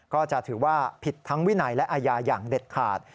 ก็จะถือว่าผิดทั้งวินัยและอาญาอย่างเด็ดขาด